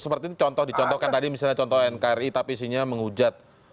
seperti itu contoh dicontohkan tadi misalnya contoh nkri tapi isinya menghujat